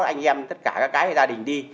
anh em tất cả các cái gia đình đi